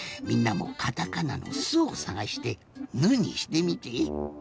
みんなもカタカナの「ス」をさがして「ヌ」にしてみて。